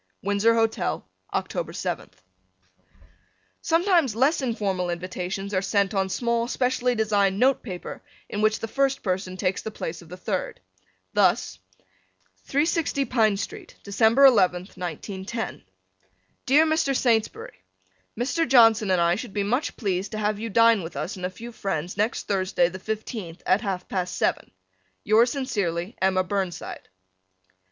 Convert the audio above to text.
Windsor Hotel, October 7th, Sometimes less informal invitations are sent on small specially designed note paper in which the first person takes the place of the third. Thus 360 Pine St., Dec. 11th, 1910. Dear Mr. Saintsbury: Mr. Johnson and I should be much pleased to have you dine with us and a few friends next Thursday, the fifteenth, at half past seven. Yours sincerely, Emma Burnside.